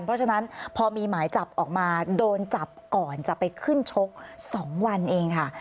เพราะฉะนั้นพอมีหมายจับออกมาโดนจับก่อนจะไปขึ้นชก๒วันเองค่ะ